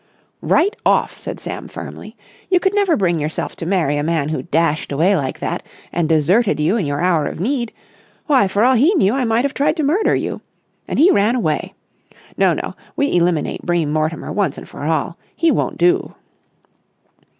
"Right off!" said Sam firmly. "You could never bring yourself to marry a man who dashed away like that and deserted you in your hour of need. Why, for all he knew, I might have tried to murder you. And he ran away! No, no, we eliminate Bream Mortimer once and for all. He won't do!"